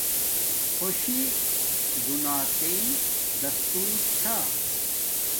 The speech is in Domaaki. خوشی دونیاتݵ دس تور چھا